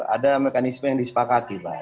ada mekanisme yang disepakati pak